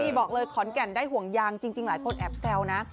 นี่บอกเลยขอนแก่นได้ห่วงยางจริงหลายคนแอบแซวนะ